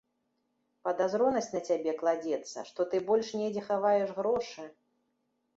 Падазронасць на цябе кладзецца, што ты больш недзе хаваеш грошы.